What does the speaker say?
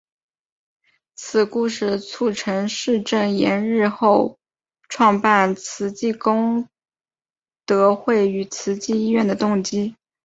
此故事促成释证严日后创办慈济功德会与慈济医院的动机。